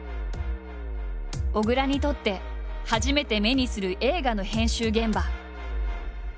小倉にとって初めて目にする映画の編集現場。